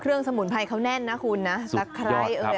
เครื่องสมุนไพรเขาแน่นนะคุณนะสุดยอด